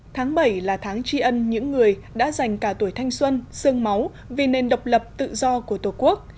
tháng bảy là tháng tri ân những người đã dành cả tuổi thanh xuân sương máu vì nền độc lập tự do của tổ quốc